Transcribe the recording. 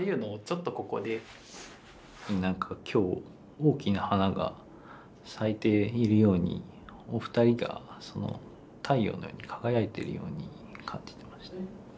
なんか今日大きな花が咲いているようにお二人がその太陽のように輝いてるように感じてました。